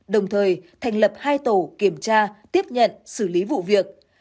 đồng thời thành lập hai tổ kiểm tra tiếp nhận xử lý vụ việc